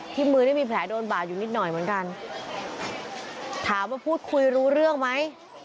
มือนี่มีแผลโดนบาดอยู่นิดหน่อยเหมือนกันถามว่าพูดคุยรู้เรื่องไหม